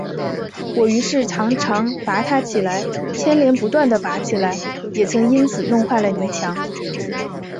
我于是常常拔它起来，牵连不断地拔起来，也曾因此弄坏了泥墙